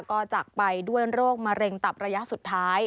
ก็จากไปด้วยโรคมะเร็งตับระยะสุดท้าย